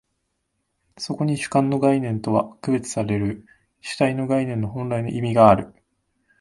そこに主観の概念とは区別される主体の概念の本来の意味がある。